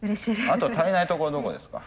あと足りないところどこですか？